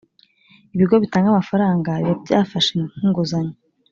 Ibigo bitanga amafaranga biba byafashe nk’inguzanyo